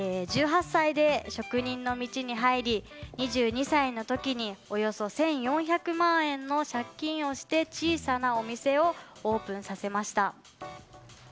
１８歳で、職人の道に入り２２歳の時におよそ１４００万円の借金をして小さなお店をオープンさせました。